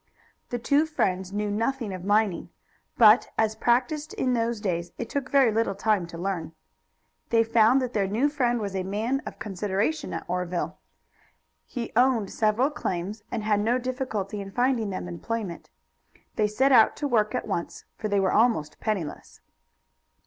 The two friends knew nothing of mining, but as practiced in those days it took very little time to learn. They found that their new friend was a man of consideration at Oreville. He owned several claims, and had no difficulty in finding them employment. They set to work at once, for they were almost penniless.